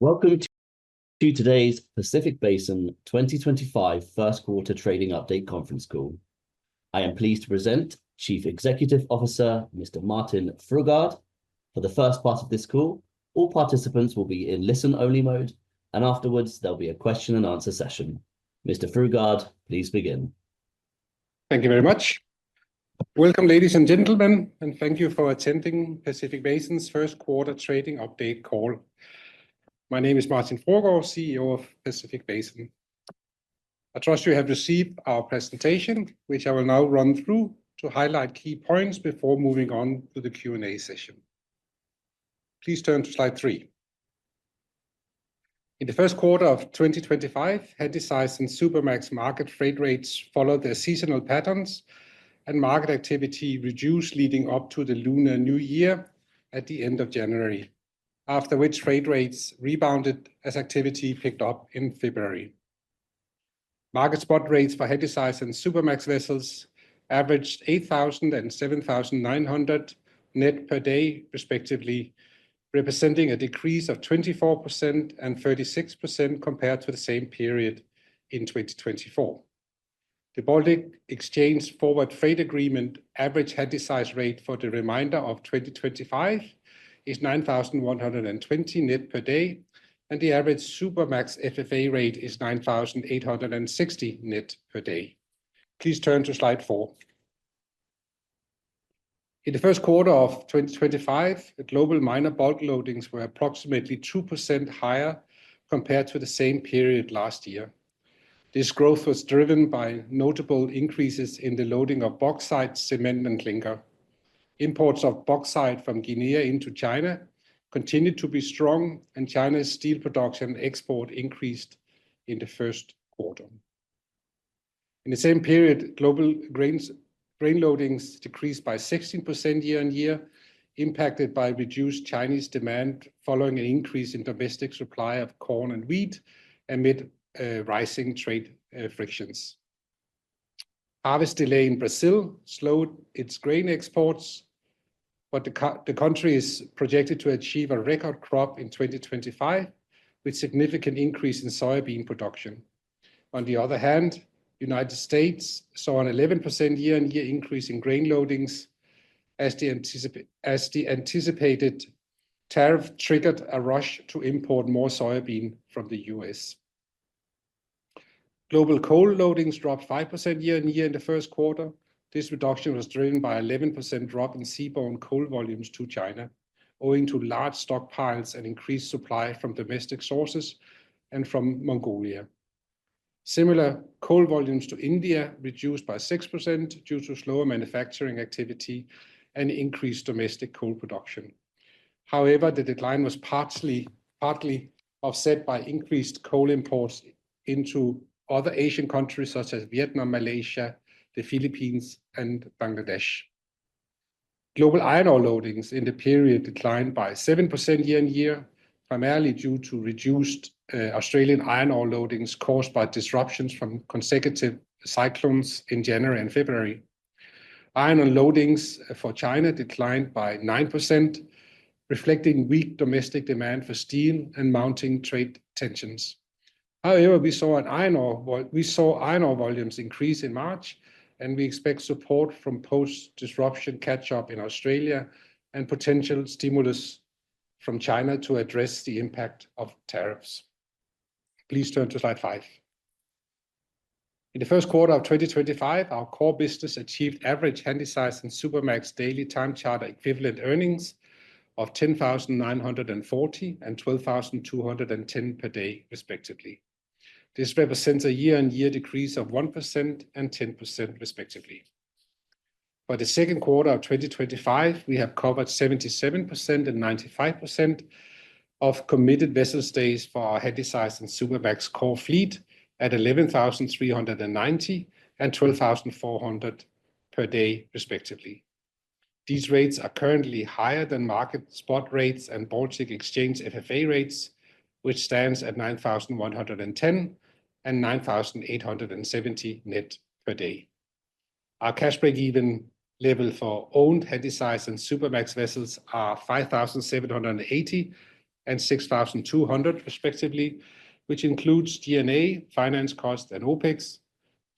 Welcome to today's Pacific Basin 2025 First Quarter Trading Update Conference Call. I am pleased to present Chief Executive Officer, Mr. Martin Fruergaard. For the first part of this call, all participants will be in listen-only mode, and afterwards there'll be a question-and-answer session. Mr. Fruergaard, please begin. Thank you very much. Welcome, ladies and gentlemen, and thank you for attending Pacific Basin's First Quarter Trading Update Call. My name is Martin Fruergaard, CEO of Pacific Basin. I trust you have received our presentation, which I will now run through to highlight key points before moving on to the Q&A session. Please turn to slide three. In the Q1 of 2025, Handysize and Supramax market trade rates followed their seasonal patterns, and market activity reduced leading up to the Lunar New Year at the end of January, after which trade rates rebounded as activity picked up in February. Market spot rates for Handysize and Supramax vessels averaged $8,000 and $7,900 net per day, respectively, representing a decrease of 24% and 36% compared to the same period in 2024. The Baltic Exchange Forward Freight Agreement average Handysize rate for the remainder of 2025 is $9,120 net per day, and the average Supramax FFA rate is $9,860 net per day. Please turn to slide four. In the Q1 of 2025, global minor bulk loadings were approximately 2% higher compared to the same period last year. This growth was driven by notable increases in the loading of bauxite, cement, and clinker. Imports of bauxite from Guinea into China continued to be strong, and China's steel production export increased in the Q1. In the same period, global grain loadings decreased by 16% year-on-year, impacted by reduced Chinese demand following an increase in domestic supply of corn and wheat amid rising trade frictions. Harvest delay in Brazil slowed its grain exports, but the country is projected to achieve a record crop in 2025, with significant increase in soybean production. On the other hand, the United States saw an 11% year-on-year increase in grain loadings, as the anticipated tariff triggered a rush to import more soybean from the U.S. Global coal loadings dropped 5% year-on-year in the Q1. This reduction was driven by an 11% drop in seaborne coal volumes to China, owing to large stockpiles and increased supply from domestic sources and from Mongolia. Similar coal volumes to India reduced by 6% due to slower manufacturing activity and increased domestic coal production. However, the decline was partly offset by increased coal imports into other Asian countries such as Vietnam, Malaysia, the Philippines, and Bangladesh. Global iron ore loadings in the period declined by 7% year-on-year, primarily due to reduced Australian iron ore loadings caused by disruptions from consecutive cyclones in January and February. Iron ore loadings for China declined by 9%, reflecting weak domestic demand for steel and mounting trade tensions. However, we saw iron ore volumes increase in March, and we expect support from post-disruption catch-up in Australia and potential stimulus from China to address the impact of tariffs. Please turn to slide five. In the Q1 of 2025, our core business achieved average Handysize and Supramax daily time charter equivalent earnings of $10,940 and $12,210 per day, respectively. This represents a year-on-year decrease of 1% and 10%, respectively. For the Q2 of 2025, we have covered 77% and 95% of committed vessel days for our Handysize and Supramax core fleet at $11,390 and $12,400 per day, respectively. These rates are currently higher than market spot rates and Baltic Exchange FFA rates, which stand at $9,110 and $9,870 net per day. Our cash break-even level for owned Handysize and Supramax vessels are $5,780 and $6,200, respectively, which includes G&A, finance cost, and OPEX.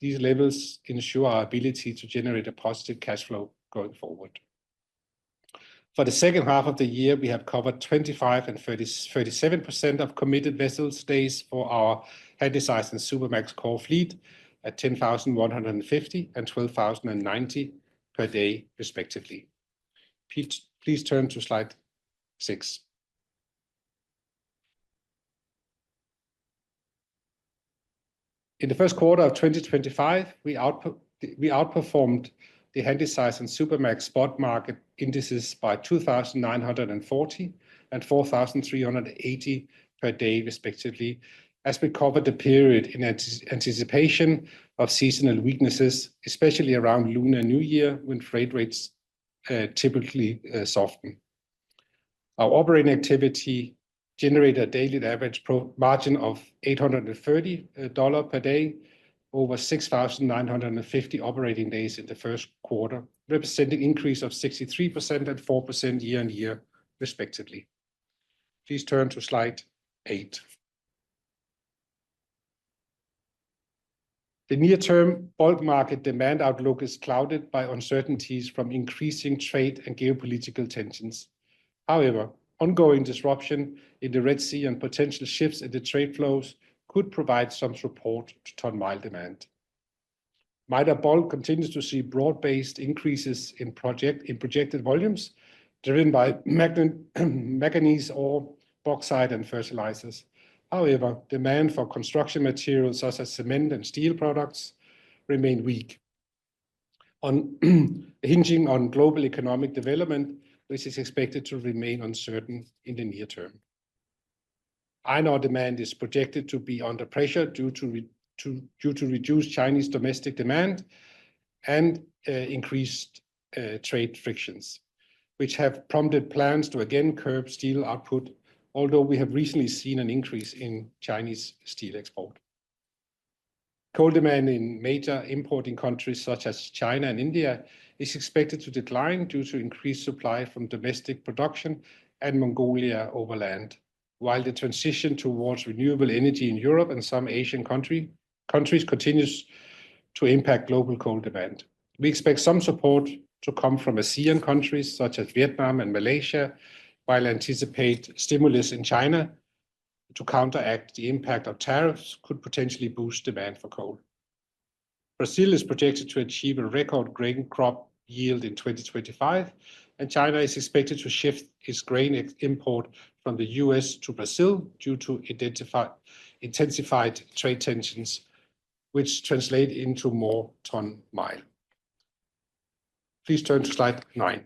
These levels ensure our ability to generate a positive cash flow going forward. For the H2 of the year, we have covered 25% and 37% of committed vessel days for our Handysize and Supramax core fleet at $10,150 and $12,090 per day, respectively. Please turn to slide six. In the Q1 of 2025, we outperformed the Handysize and Supramax spot market indices by $2,940 and $4,380 per day, respectively, as we covered the period in anticipation of seasonal weaknesses, especially around Lunar New Year, when trade rates typically soften. Our operating activity generated a daily average margin of $830 per day over 6,950 operating days in the Q1, representing an increase of 63% and 4% year-on-year, respectively. Please turn to slide eight. The near-term bulk market demand outlook is clouded by uncertainties from increasing trade and geopolitical tensions. However, ongoing disruption in the Red Sea and potential shifts in the trade flows could provide some support to ton-mile demand. Minor bulk continues to see broad-based increases in projected volumes driven by manganese ore, bauxite, and fertilizers. However, demand for construction materials such as cement and steel products remained weak. Hinging on global economic development, this is expected to remain uncertain in the near term. Iron ore demand is projected to be under pressure due to reduced Chinese domestic demand and increased trade frictions, which have prompted plans to again curb steel output, although we have recently seen an increase in Chinese steel export. Coal demand in major importing countries such as China and India is expected to decline due to increased supply from domestic production and Mongolia overland, while the transition towards renewable energy in Europe and some Asian countries continues to impact global coal demand. We expect some support to come from ASEAN countries such as Vietnam and Malaysia, while anticipate stimulus in China to counteract the impact of tariffs could potentially boost demand for coal. Brazil is projected to achieve a record grain crop yield in 2025, and China is expected to shift its grain export from the U.S. to Brazil due to intensified trade tensions, which translate into more ton-mile. Please turn to slide nine.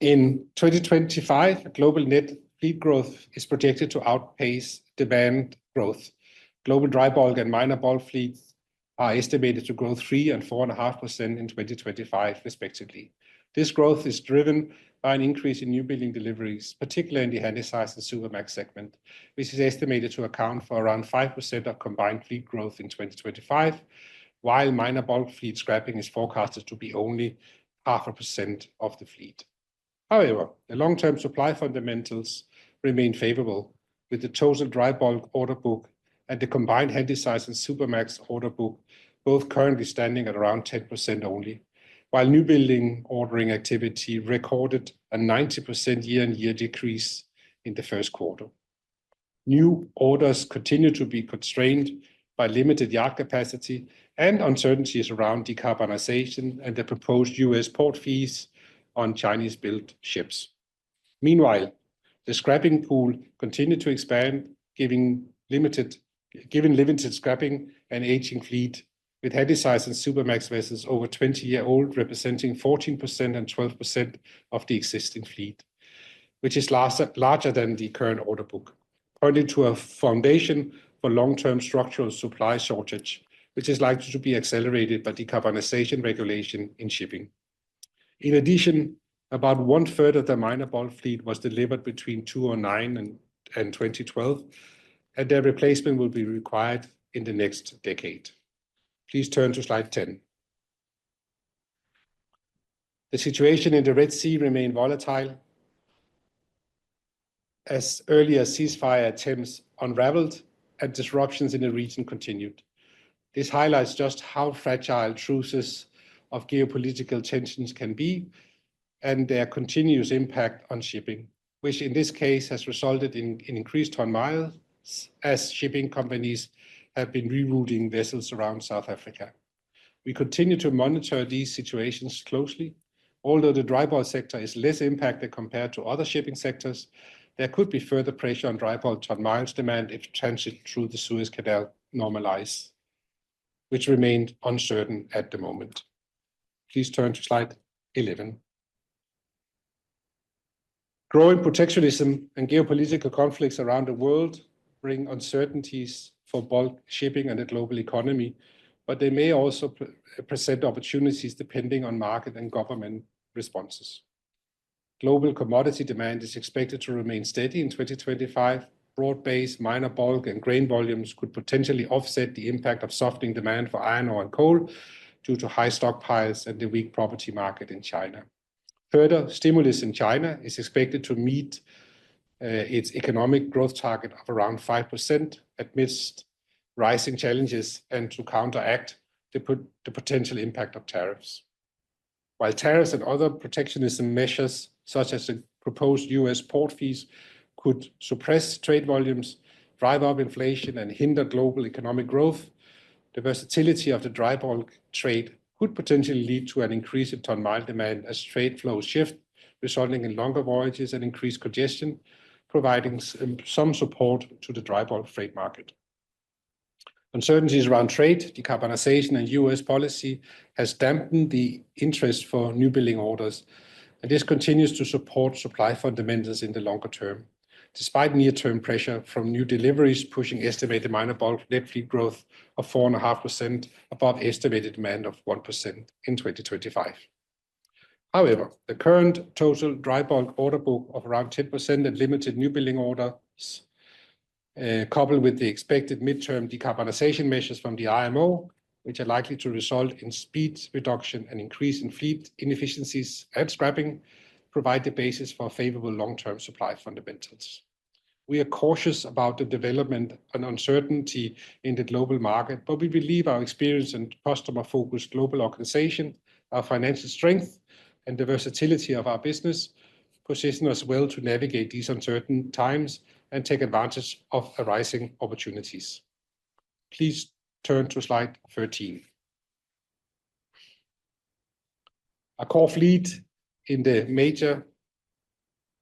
In 2025, global net fleet growth is projected to outpace demand growth. Global dry bulk and minor bulk fleets are estimated to grow 3% and 4.5% in 2025, respectively. This growth is driven by an increase in newbuilding deliveries, particularly in the Handysize and Supramax segment, which is estimated to account for around 5% of combined fleet growth in 2025, while minor bulk fleet scrapping is forecasted to be only half a percent of the fleet. However, the long-term supply fundamentals remain favorable, with the total dry bulk order book and the combined Handysize and Supramax order book both currently standing at around 10% only, while newbuilding ordering activity recorded a 90% year-on-year decrease in the Q1. New orders continue to be constrained by limited yard capacity and uncertainties around decarbonization and the proposed US port fees on Chinese-built ships. Meanwhile, the scrapping pool continued to expand, given limited scrapping and aging fleet, with Handysize and Supramax vessels over 20 years old, representing 14% and 12% of the existing fleet, which is larger than the current order book, pointing to a foundation for long-term structural supply shortage, which is likely to be accelerated by decarbonization regulation in shipping. In addition, about 1/3 of the minor bulk fleet was delivered between 2009 and 2012, and their replacement will be required in the next decade. Please turn to slide 10. The situation in the Red Sea remained volatile as earlier ceasefire attempts unraveled and disruptions in the region continued. This highlights just how fragile truces of geopolitical tensions can be and their continuous impact on shipping, which in this case has resulted in increased ton-miles as shipping companies have been rerouting vessels around South Africa. We continue to monitor these situations closely. Although the dry bulk sector is less impacted compared to other shipping sectors, there could be further pressure on dry bulk ton-miles demand if transit through the Suez Canal normalizes, which remained uncertain at the moment. Please turn to slide 11. Growing protectionism and geopolitical conflicts around the world bring uncertainties for bulk shipping and the global economy, but they may also present opportunities depending on market and government responses. Global commodity demand is expected to remain steady in 2025. Broad-based minor bulk and grain volumes could potentially offset the impact of softening demand for iron ore and coal due to high stockpiles and the weak property market in China. Further stimulus in China is expected to meet its economic growth target of around 5% amidst rising challenges and to counteract the potential impact of tariffs. While tariffs and other protectionism measures, such as the proposed US port fees, could suppress trade volumes, drive up inflation, and hinder global economic growth, the versatility of the dry bulk trade could potentially lead to an increase in ton-mile demand as trade flows shift, resulting in longer voyages and increased congestion, providing some support to the dry bulk trade market. Uncertainties around trade, decarbonization, and U.S. policy have dampened the interest for new building orders, and this continues to support supply fundamentals in the longer term, despite near-term pressure from new deliveries pushing estimated minor bulk net fleet growth of 4.5% above estimated demand of 1% in 2025. However, the current total dry bulk order book of around 10% and limited new building orders, coupled with the expected midterm decarbonization measures from the IMO, which are likely to result in speed reduction and increase in fleet inefficiencies and scrapping, provide the basis for favorable long-term supply fundamentals. We are cautious about the development and uncertainty in the global market, but we believe our experience and customer-focused global organization, our financial strength, and the versatility of our business position us well to navigate these uncertain times and take advantage of arising opportunities. Please turn to slide 13. Our core fleet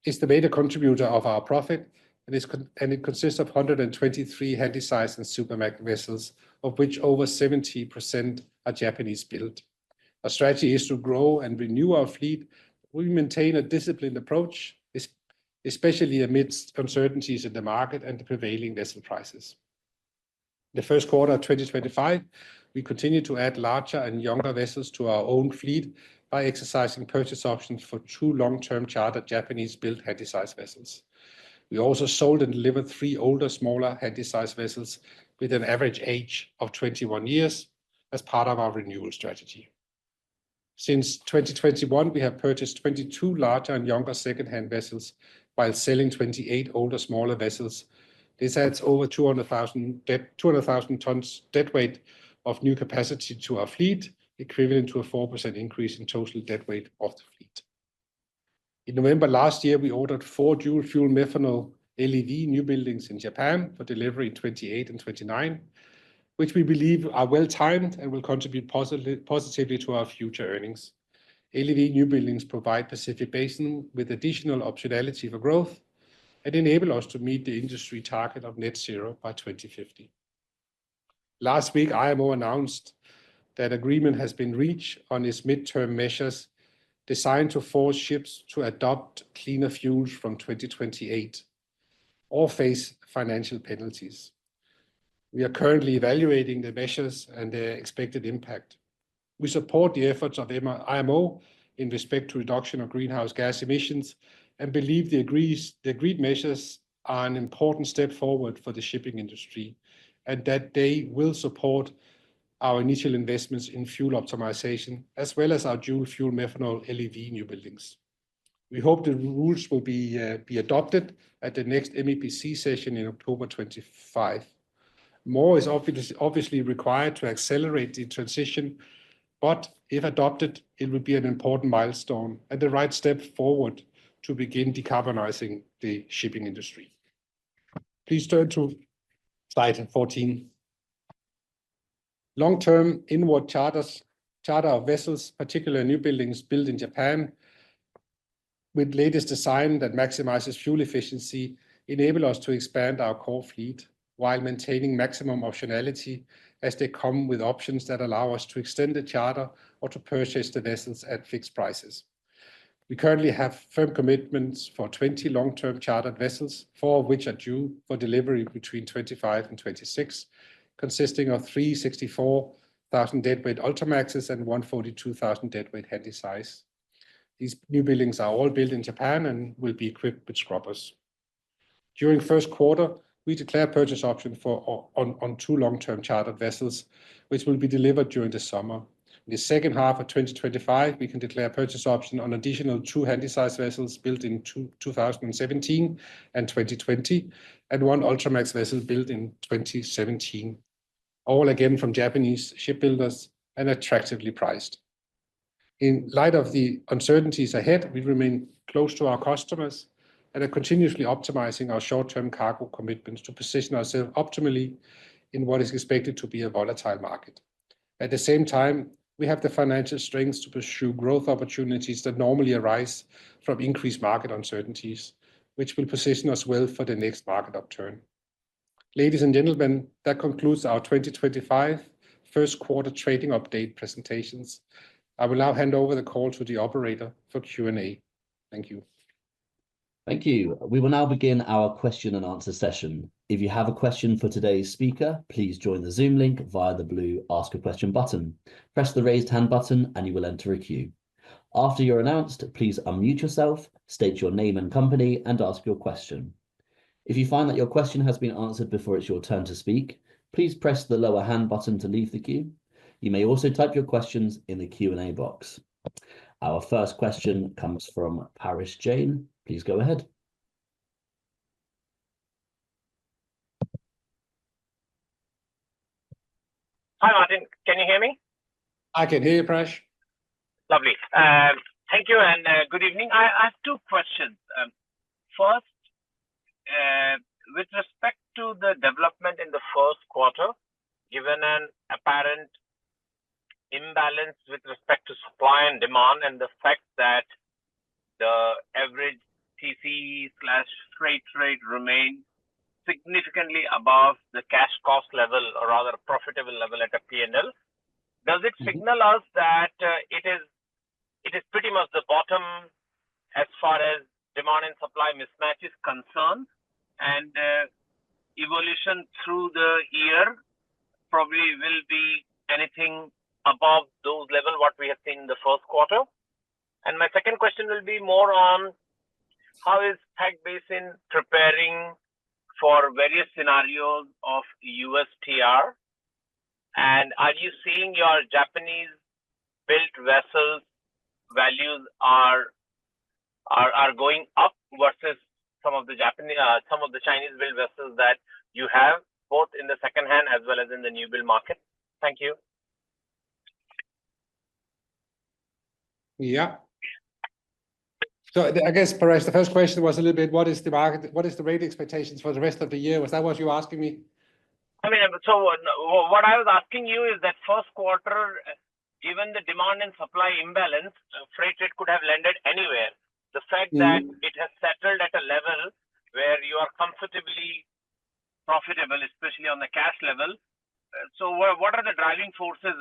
is the major contributor of our profit, and it consists of 123 Handysize and Supramax vessels, of which over 70% are Japanese-built. Our strategy is to grow and renew our fleet, but we maintain a disciplined approach, especially amidst uncertainties in the market and the prevailing vessel prices. In the Q1 of 2025, we continue to add larger and younger vessels to our own fleet by exercising purchase options for two long-term chartered Japanese-built Handysize vessels. We also sold and delivered three older, smaller Handysize vessels with an average age of 21 years as part of our renewal strategy. Since 2021, we have purchased 22 larger and younger second-hand vessels while selling 28 older, smaller vessels. This adds over 200,000 tons dead weight of new capacity to our fleet, equivalent to a 4% increase in total dead weight of the fleet. In November last year, we ordered four dual-fuel methanol LEV new buildings in Japan for delivery in 2028 and 2029, which we believe are well-timed and will contribute positively to our future earnings. LEV new buildings provide Pacific Basin with additional optionality for growth and enable us to meet the industry target of net zero by 2050. Last week, IMO announced that an agreement has been reached on its midterm measures designed to force ships to adopt cleaner fuels from 2028 or face financial penalties. We are currently evaluating the measures and their expected impact. We support the efforts of IMO in respect to reduction of greenhouse gas emissions and believe the agreed measures are an important step forward for the shipping industry and that they will support our initial investments in fuel optimization, as well as our dual-fuel methanol LEV new buildings. We hope the rules will be adopted at the next MEPC session in October 2025. More is obviously required to accelerate the transition, but if adopted, it will be an important milestone and the right step forward to begin decarbonizing the shipping industry. Please turn to slide 14. Long-term inward charter of vessels, particularly new buildings built in Japan, with latest design that maximizes fuel efficiency, enable us to expand our core fleet while maintaining maximum optionality as they come with options that allow us to extend the charter or to purchase the vessels at fixed prices. We currently have firm commitments for 20 long-term chartered vessels, four of which are due for delivery between 2025 and 2026, consisting of three 64,000 dead weight Ultramaxes and one 42,000 dead weight Handysize. These new buildings are all built in Japan and will be equipped with scrubbers. During Q1, we declare purchase options on two long-term chartered vessels, which will be delivered during the summer. In the H2 of 2025, we can declare purchase options on additional two Handysize vessels built in 2017 and 2020, and one Ultramax vessel built in 2017, all again from Japanese shipbuilders and attractively priced. In light of the uncertainties ahead, we remain close to our customers and are continuously optimizing our short-term cargo commitments to position ourselves optimally in what is expected to be a volatile market. At the same time, we have the financial strength to pursue growth opportunities that normally arise from increased market uncertainties, which will position us well for the next market upturn. Ladies and gentlemen, that concludes our 2025 Q1 trading update presentations. I will now hand over the call to the operator for Q&A. Thank you. Thank you. We will now begin our question and answer session. If you have a question for today's speaker, please join the Zoom link via the blue Ask a Question button. Press the raised hand button and you will enter a queue. After you are announced, please unmute yourself, state your name and company, and ask your question. If you find that your question has been answered before it is your turn to speak, please press the lower hand button to leave the queue. You may also type your questions in the Q&A box. Our first question comes from Parash Jain. Please go ahead. Hi, Martin. Can you hear me? I can hear you, Parash. Lovely. Thank you and good evening. I have two questions. First, with respect to the development in the Q1, given an apparent imbalance with respect to supply and demand and the fact that the average TC/freight rate remains significantly above the cash cost level, or rather profitable level at a P&L, does it signal us that it is pretty much the bottom as far as demand and supply mismatch is concerned? Evolution through the year probably will be anything above those levels, what we have seen in the Q1. My second question will be more on how is Pacific Basin preparing for various scenarios of USTR? Are you seeing your Japanese-built vessels' values are going up versus some of the Chinese-built vessels that you have, both in the second-hand as well as in the new-build market? Thank you. Yeah. I guess, Parash, the first question was a little bit, what is the rate expectations for the rest of the year? Was that what you were asking me? I mean, what I was asking you is that Q1, given the demand and supply imbalance, freight rate could have landed anywhere. The fact that it has settled at a level where you are comfortably profitable, especially on the cash level. What are the driving forces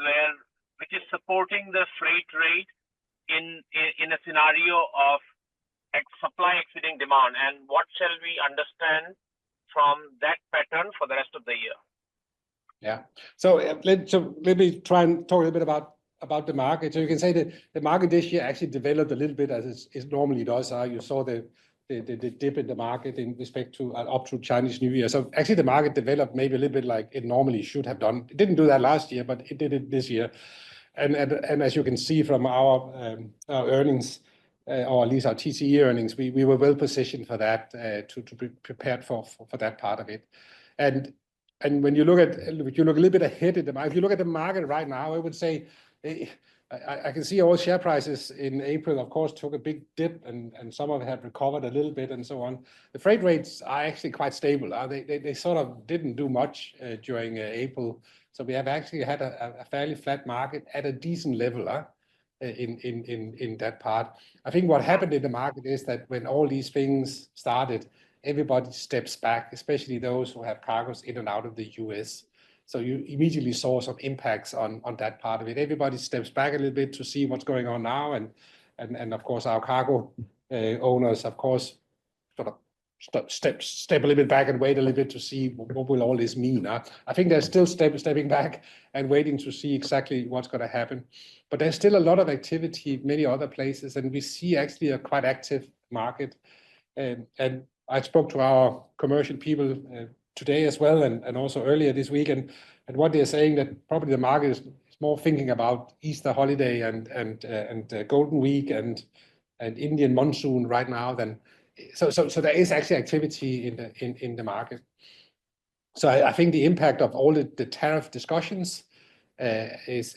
which are supporting the freight rate in a scenario of supply exceeding demand? What shall we understand from that pattern for the rest of the year? Yeah. Let me try and talk a little bit about the market. You can say that the market this year actually developed a little bit as it normally does. You saw the dip in the market in respect to up to Chinese New Year. Actually, the market developed maybe a little bit like it normally should have done. It did not do that last year, but it did it this year. As you can see from our earnings, or at least our TCE earnings, we were well positioned for that, prepared for that part of it. When you look at, if you look a little bit ahead at the market, if you look at the market right now, I would say I can see all share prices in April, of course, took a big dip, and some of them had recovered a little bit and so on. The freight rates are actually quite stable. They sort of did not do much during April. We have actually had a fairly flat market at a decent level in that part. I think what happened in the market is that when all these things started, everybody steps back, especially those who have cargoes in and out of the U.S. You immediately saw some impacts on that part of it. Everybody steps back a little bit to see what's going on now. Of course, our cargo owners, of course, sort of step a little bit back and wait a little bit to see what will all this mean. I think they're still stepping back and waiting to see exactly what's going to happen. There is still a lot of activity in many other places, and we see actually a quite active market. I spoke to our commercial people today as well, and also earlier this week, and what they're saying is that probably the market is more thinking about Easter holiday and Golden Week and Indian monsoon right now. There is actually activity in the market. I think the impact of all the tariff discussions probably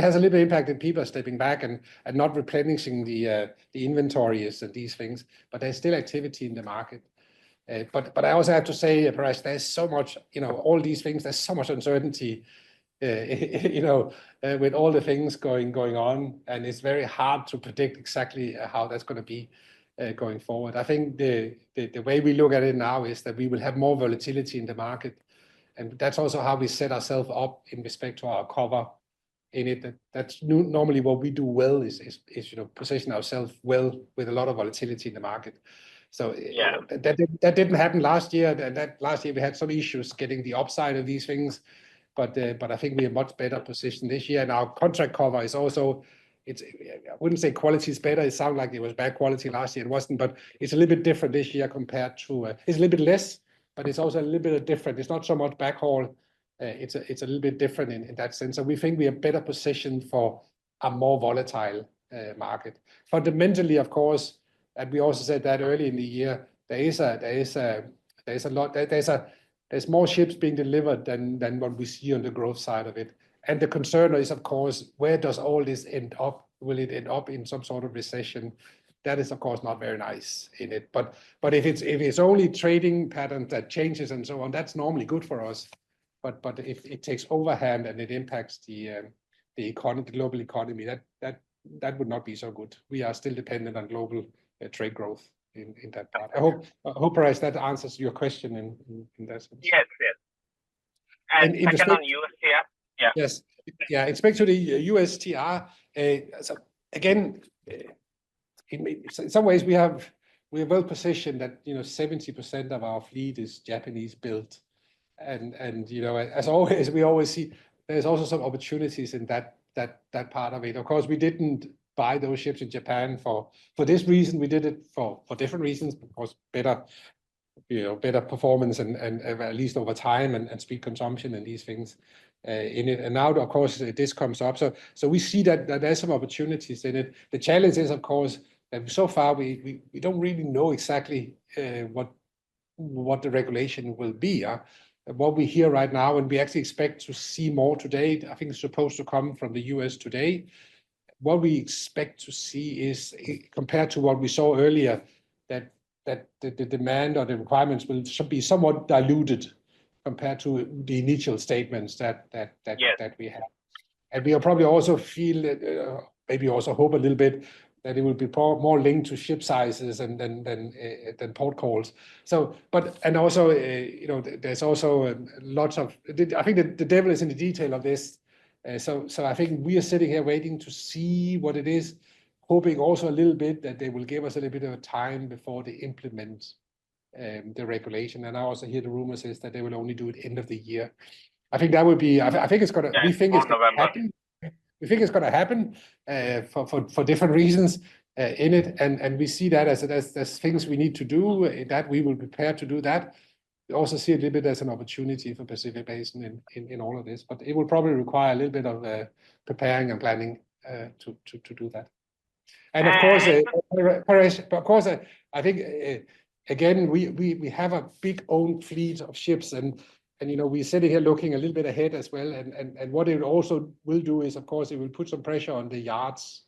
has a little bit of impact in people stepping back and not replenishing the inventories and these things, but there's still activity in the market. I also have to say, Parash, there's so much, all these things, there's so much uncertainty with all the things going on, and it's very hard to predict exactly how that's going to be going forward. I think the way we look at it now is that we will have more volatility in the market, and that's also how we set ourselves up in respect to our cover in it. That's normally what we do well is position ourselves well with a lot of volatility in the market. That did not happen last year. Last year, we had some issues getting the upside of these things, but I think we are much better positioned this year. Our contract cover is also, I would not say quality is better. It sounded like it was bad quality last year. It was not, but it is a little bit different this year compared to, it is a little bit less, but it is also a little bit different. It is not so much backhaul. It is a little bit different in that sense. We think we are better positioned for a more volatile market. Fundamentally, of course, and we also said that early in the year, there is a lot, there's more ships being delivered than what we see on the growth side of it. The concern is, of course, where does all this end up? Will it end up in some sort of recession? That is, of course, not very nice in it. If it's only trading patterns that change and so on, that's normally good for us. If it takes overhand and it impacts the global economy, that would not be so good. We are still dependent on global trade growth in that part. I hope, Parash, that answers your question in that sense. Yes, yes. Depending on USTR? Yeah. Yes. Yeah, it's basically USTR. In some ways, we are well positioned that 70% of our fleet is Japanese-built. As always, we always see there's also some opportunities in that part of it. Of course, we didn't buy those ships in Japan for this reason. We did it for different reasons, of course, better performance and at least over time and speed consumption and these things in it. Now, of course, this comes up. We see that there's some opportunities in it. The challenge is, of course, so far, we don't really know exactly what the regulation will be. What we hear right now, and we actually expect to see more today, I think it's supposed to come from the U.S. today. What we expect to see is, compared to what we saw earlier, that the demand or the requirements will be somewhat diluted compared to the initial statements that we had. We will probably also feel, maybe also hope a little bit that it will be more linked to ship sizes than port calls. There is also lots of, I think the devil is in the detail of this. I think we are sitting here waiting to see what it is, hoping also a little bit that they will give us a little bit of time before they implement the regulation. I also hear the rumors that they will only do it at the end of the year. I think that would be, I think it's going to, we think it's going to happen. We think it's going to happen for different reasons in it. We see that as things we need to do, that we will prepare to do that. We also see a little bit as an opportunity for Pacific Basin in all of this, but it will probably require a little bit of preparing and planning to do that. Of course, Parash, of course, I think, again, we have a big own fleet of ships, and we're sitting here looking a little bit ahead as well. What it also will do is, of course, it will put some pressure on the yards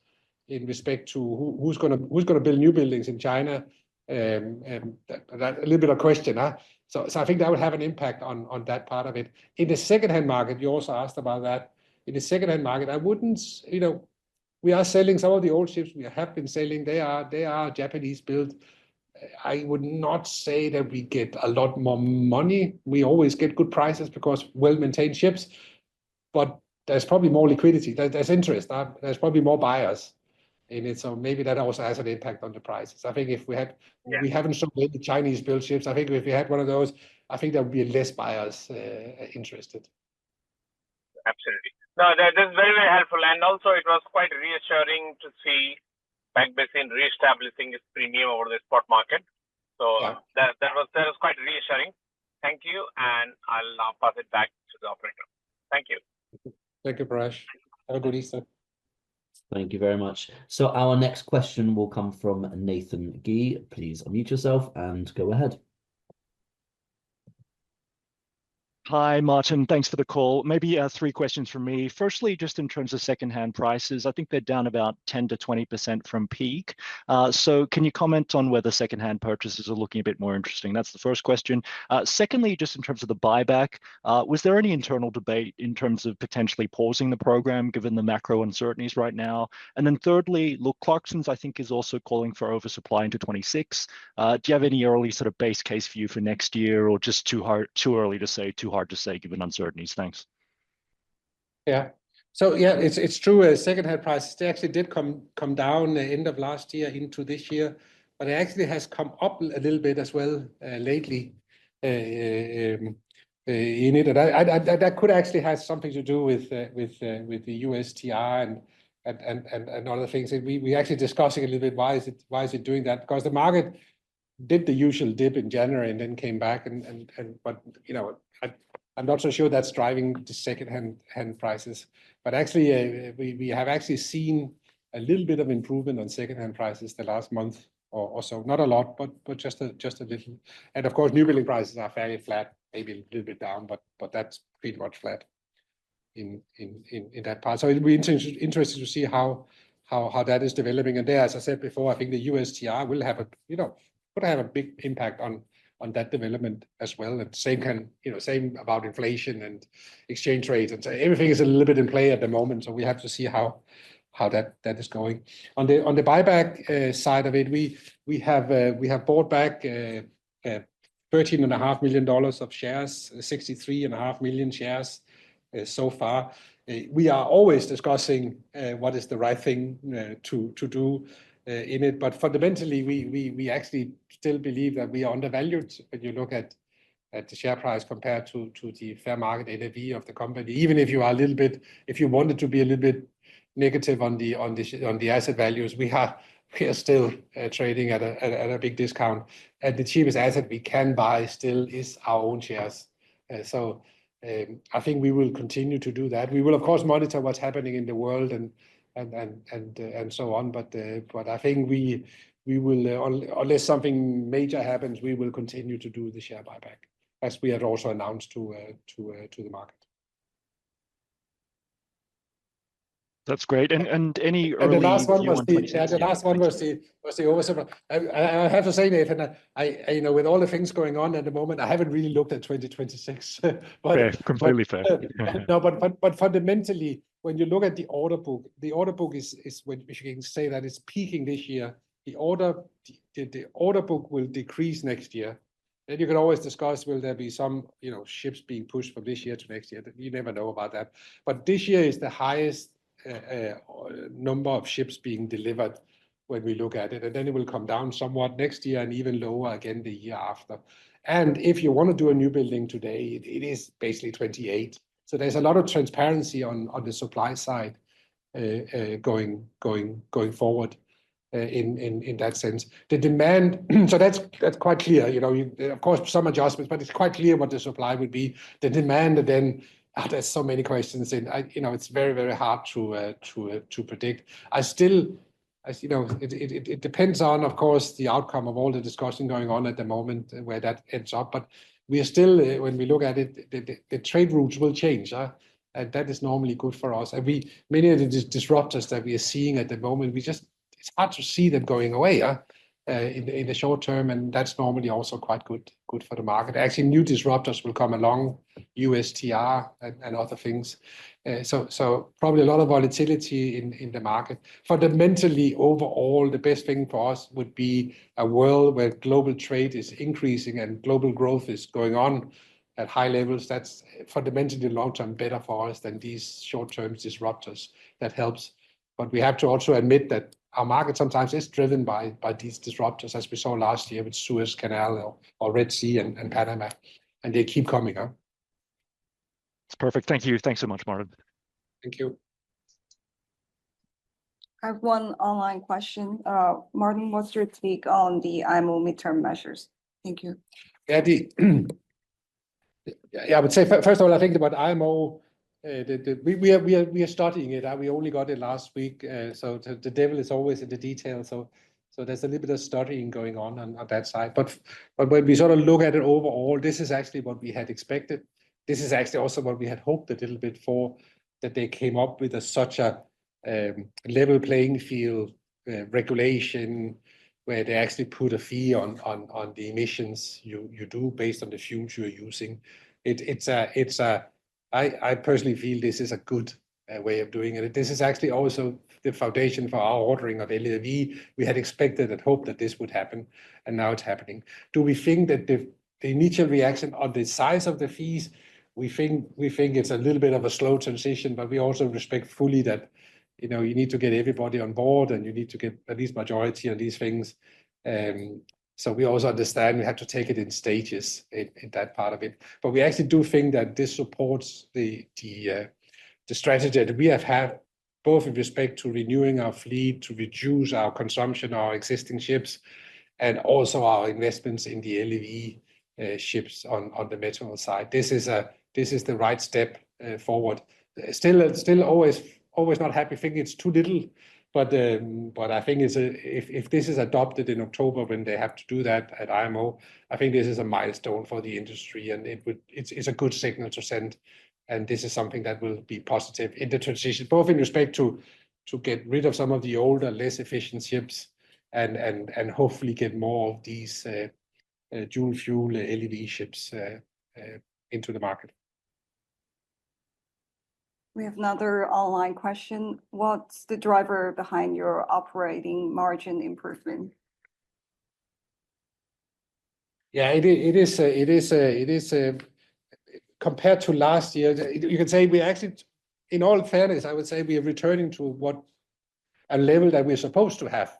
in respect to who's going to build new buildings in China. A little bit of question. I think that would have an impact on that part of it. In the second-hand market, you also asked about that. In the second-hand market, I wouldn't, we are selling some of the old ships we have been selling. They are Japanese-built. I would not say that we get a lot more money. We always get good prices because well-maintained ships, but there's probably more liquidity. There's interest. There's probably more buyers in it. Maybe that also has an impact on the prices. I think if we haven't sold any Chinese-built ships, I think if we had one of those, I think there would be less buyers interested. Absolutely. No, that's very, very helpful. It was quite reassuring to see Pacific Basin reestablishing its premium over the spot market. That was quite reassuring. Thank you. I'll now pass it back to the operator. Thank you. Thank you, Parash. Have a good Easter. Thank you very much. Our next question will come from Nathan Gee. Please unmute yourself and go ahead. Hi, Martin. Thanks for the call. Maybe three questions from me. Firstly, just in terms of second-hand prices, I think they're down about 10% to 20% from peak. So can you comment on whether second-hand purchases are looking a bit more interesting? That's the first question. Secondly, just in terms of the buyback, was there any internal debate in terms of potentially pausing the program given the macro uncertainties right now? And then thirdly, Luke Clarksons, I think, is also calling for oversupply into 2026. Do you have any early sort of base case view for next year or just too early to say, too hard to say given uncertainties? Thanks. Yeah. So yeah, it's true. Second-hand prices, they actually did come down the end of last year into this year, but it actually has come up a little bit as well lately in it. And that could actually have something to do with the USTR and other things. We're actually discussing a little bit why is it doing that? Because the market did the usual dip in January and then came back. I'm not so sure that's driving the second-hand prices. Actually, we have actually seen a little bit of improvement on second-hand prices the last month or so. Not a lot, but just a little. Of course, new-building prices are fairly flat, maybe a little bit down, but that's pretty much flat in that part. It will be interesting to see how that is developing. As I said before, I think the USTR will have a big impact on that development as well. Same about inflation and exchange rates. Everything is a little bit in play at the moment. We have to see how that is going. On the buyback side of it, we have bought back $13.5 million of shares, $63.5 million shares so far. We are always discussing what is the right thing to do in it. Fundamentally, we actually still believe that we are undervalued when you look at the share price compared to the fair market NAV of the company. Even if you are a little bit, if you wanted to be a little bit negative on the asset values, we are still trading at a big discount. The cheapest asset we can buy still is our own shares. I think we will continue to do that. We will, of course, monitor what's happening in the world and so on. I think unless something major happens, we will continue to do the share buyback as we had also announced to the market. That's great. Any early? The last one was the oversupply. I have to say, Nathan, with all the things going on at the moment, I haven't really looked at 2026. Okay, completely fair. No, but fundamentally, when you look at the order book, the order book is, if you can say that it's peaking this year, the order book will decrease next year. You can always discuss, will there be some ships being pushed from this year to next year? You never know about that. This year is the highest number of ships being delivered when we look at it. It will come down somewhat next year and even lower again the year after. If you want to do a new building today, it is basically 2028. There is a lot of transparency on the supply side going forward in that sense. The demand, so that's quite clear. Of course, some adjustments, but it's quite clear what the supply would be. The demand, again, there's so many questions in. It's very, very hard to predict. It depends on, of course, the outcome of all the discussion going on at the moment where that ends up. We are still, when we look at it, the trade routes will change. That is normally good for us. Many of the disruptors that we are seeing at the moment, it's hard to see them going away in the short term, and that's normally also quite good for the market. Actually, new disruptors will come along, USTR and other things. Probably a lot of volatility in the market. Fundamentally, overall, the best thing for us would be a world where global trade is increasing and global growth is going on at high levels. That's fundamentally long-term better for us than these short-term disruptors. That helps. We have to also admit that our market sometimes is driven by these disruptors, as we saw last year with Suez Canal or Red Sea and Panama, and they keep coming. Perfect. Thank you. Thanks so much, Martin. Thank you. I have one online question. Martin, what's your take on the IMO midterm measures? Thank you. Yeah, I would say, first of all, I think about IMO, we are studying it. We only got it last week. The devil is always in the detail. There's a little bit of studying going on on that side. When we sort of look at it overall, this is actually what we had expected. This is actually also what we had hoped a little bit for, that they came up with such a level playing field regulation where they actually put a fee on the emissions you do based on the fuels you're using. I personally feel this is a good way of doing it. This is actually also the foundation for our ordering of LEV. We had expected and hoped that this would happen, and now it's happening. Do we think that the initial reaction on the size of the fees? We think it's a little bit of a slow transition, but we also respect fully that you need to get everybody on board and you need to get at least majority on these things. We also understand we have to take it in stages in that part of it. We actually do think that this supports the strategy that we have had, both with respect to renewing our fleet to reduce our consumption, our existing ships, and also our investments in the LEV ships on the methanol side. This is the right step forward. Still always not happy thinking it's too little, but I think if this is adopted in October when they have to do that at IMO, I think this is a milestone for the industry and it's a good signal to send. This is something that will be positive in the transition, both in respect to get rid of some of the older, less efficient ships and hopefully get more of these dual-fuel LEV ships into the market. We have another online question. What's the driver behind your operating margin improvement? Yeah, it is, compared to last year, you can say we actually, in all fairness, I would say we are returning to what a level that we're supposed to have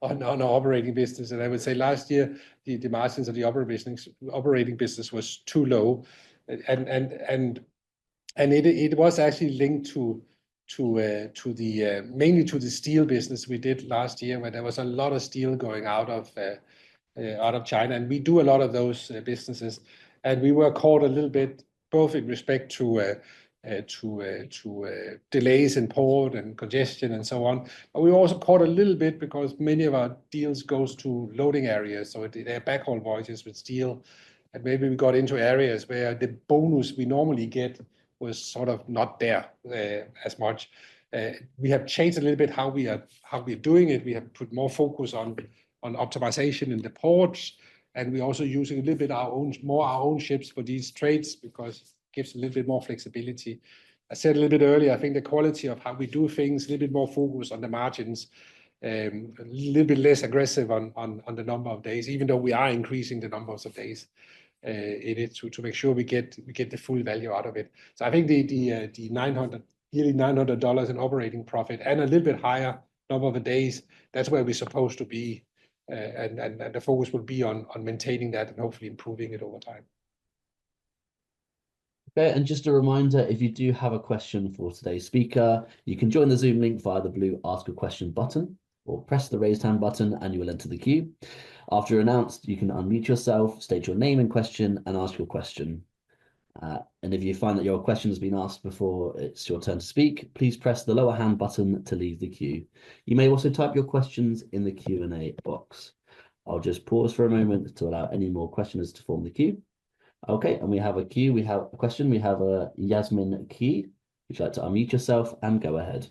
on operating business. I would say last year, the margins of the operating business was too low. It was actually linked mainly to the steel business we did last year where there was a lot of steel going out of China. We do a lot of those businesses. We were caught a little bit both in respect to delays in port and congestion and so on. We were also caught a little bit because many of our deals go to loading areas. There are backhaul voyages with steel. Maybe we got into areas where the bonus we normally get was sort of not there as much. We have changed a little bit how we are doing it. We have put more focus on optimization in the ports. We are also using a little bit more our own ships for these trades because it gives a little bit more flexibility. I said a little bit earlier, I think the quality of how we do things, a little bit more focus on the margins, a little bit less aggressive on the number of days, even though we are increasing the number of days in it to make sure we get the full value out of it. I think the nearly $900 in operating profit and a little bit higher number of days, that's where we're supposed to be. The focus will be on maintaining that and hopefully improving it over time. Just a reminder, if you do have a question for today's speaker, you can join the Zoom link via the blue Ask a Question button or press the raised hand button and you will enter the queue. After you're announced, you can unmute yourself, state your name and question, and ask your question. If you find that your question has been asked before it's your turn to speak, please press the lower hand button to leave the queue. You may also type your questions in the Q&A box. I'll just pause for a moment to allow any more questioners to form the queue. Okay, we have a queue. We have a question. We have Yasmin Key. Would you like to unmute yourself and go ahead?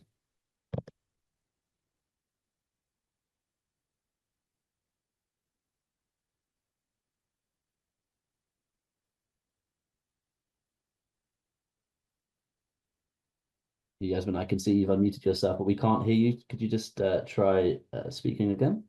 Yasmin, I can see you've unmuted yourself, but we can't hear you. Could you just try speaking again?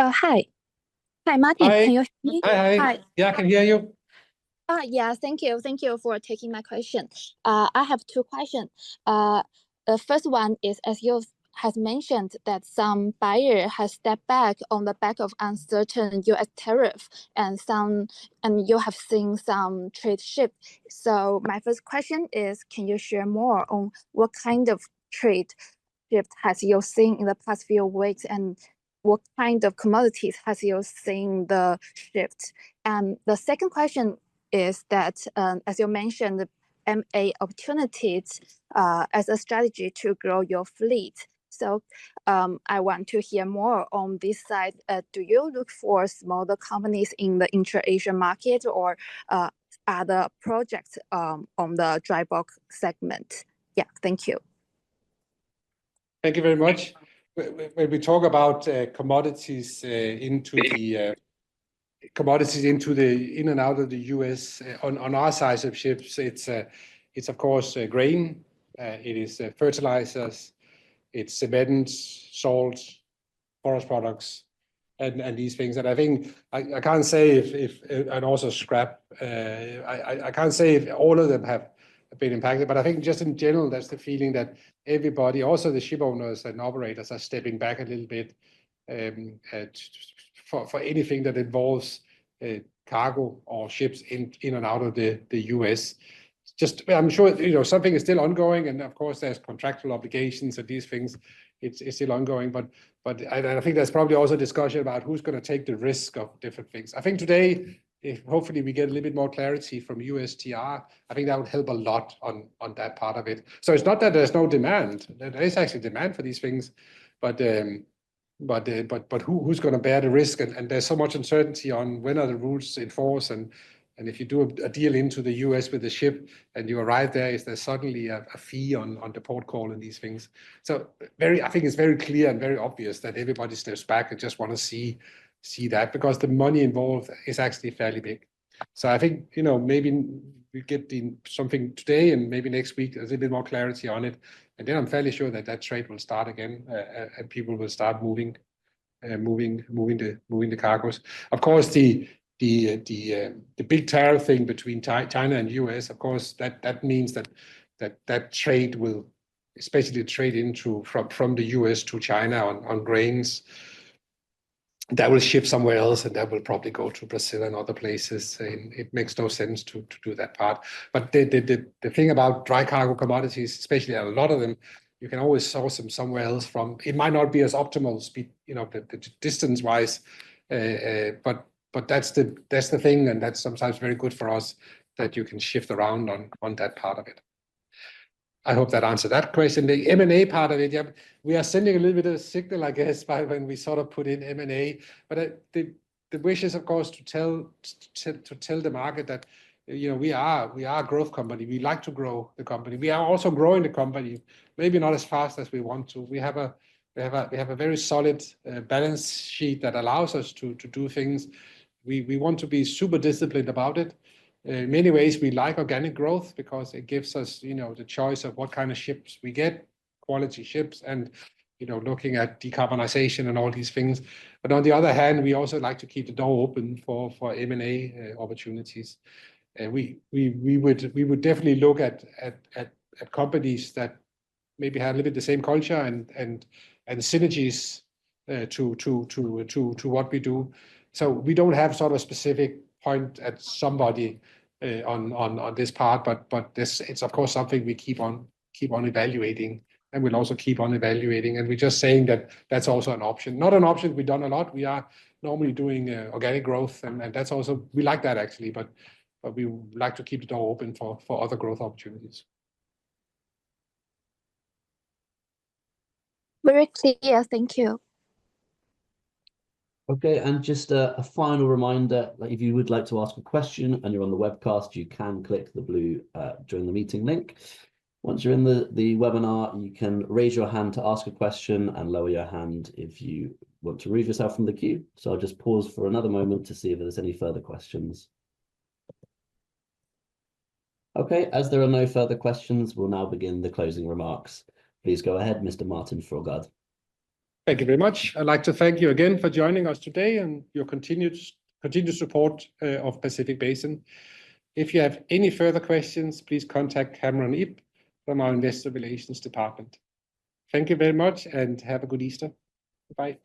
Hi. Hi, Martin. Can you hear me? Hi. Hi. Yeah, I can hear you. Yeah, thank you. Thank you for taking my question. I have two questions. The first one is, as you have mentioned, that some buyer has stepped back on the back of uncertain US tariffs and you have seen some trade shifts. My first question is, can you share more on what kind of trade shift has you seen in the past few weeks and what kind of commodities has you seen the shift? The second question is that, as you mentioned, M&A opportunities as a strategy to grow your fleet. I want to hear more on this side. Do you look for smaller companies in the intra-Asian market or other projects on the dry bulk segment? Yeah, thank you. Thank you very much. When we talk about commodities into the in and out of the US on our size of ships, it's, of course, grain. It is fertilizers. It's cement, salt, forest products, and these things. I think I can't say if, and also scrap. I can't say if all of them have been impacted, but I think just in general, that's the feeling that everybody, also the ship owners and operators, are stepping back a little bit for anything that involves cargo or ships in and out of the US. I'm sure something is still ongoing. Of course, there's contractual obligations and these things. It's still ongoing. I think there's probably also a discussion about who's going to take the risk of different things. I think today, hopefully, we get a little bit more clarity from USTR. I think that would help a lot on that part of it. It is not that there is no demand. There is actually demand for these things. Who is going to bear the risk? There is so much uncertainty on when are the rules in force. If you do a deal into the U.S. with the ship and you arrive there, is there suddenly a fee on the port call and these things? I think it is very clear and very obvious that everybody steps back and just wants to see that because the money involved is actually fairly big. I think maybe we get something today and maybe next week, a little bit more clarity on it. I am fairly sure that that trade will start again and people will start moving the cargoes. Of course, the big tariff thing between China and the U.S., of course, that means that trade will, especially trade from the U.S. to China on grains, that will shift somewhere else and that will probably go to Brazil and other places. It makes no sense to do that part. The thing about dry cargo commodities, especially a lot of them, you can always source them somewhere else from. It might not be as optimal distance-wise, but that's the thing. That's sometimes very good for us that you can shift around on that part of it. I hope that answered that question. The M&A part of it, yeah, we are sending a little bit of a signal, I guess, when we sort of put in M&A. The wish is, of course, to tell the market that we are a growth company. We like to grow the company. We are also growing the company, maybe not as fast as we want to. We have a very solid balance sheet that allows us to do things. We want to be super disciplined about it. In many ways, we like organic growth because it gives us the choice of what kind of ships we get, quality ships, and looking at decarbonization and all these things. On the other hand, we also like to keep the door open for M&A opportunities. We would definitely look at companies that maybe have a little bit of the same culture and synergies to what we do. We do not have sort of a specific point at somebody on this part, but it is, of course, something we keep on evaluating. We will also keep on evaluating. We are just saying that that is also an option. Not an option. We have done a lot. We are normally doing organic growth. And we like that, actually. But we like to keep the door open for other growth opportunities. Very clear. Thank you. Okay. And just a final reminder, if you would like to ask a question and you're on the webcast, you can click the blue Join the Meeting link. Once you're in the webinar, you can raise your hand to ask a question and lower your hand if you want to move yourself from the queue. I will just pause for another moment to see if there's any further questions. Okay. As there are no further questions, we will now begin the closing remarks. Please go ahead, Mr. Martin Fruergaard. Thank you very much. I'd like to thank you again for joining us today and your continued support of Pacific Basin. If you have any further questions, please contact Cameron Ip from our Investor Relations Department. Thank you very much and have a good Easter. Goodbye.